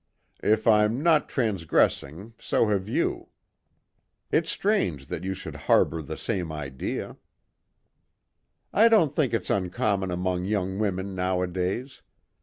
If I'm not transgressing, so have you. It's strange you should both harbour the same idea." "I don't think it's uncommon among young women nowadays.